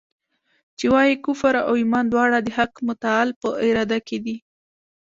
چي وايي کفر او ایمان دواړه د حق متعال په اراده کي دي.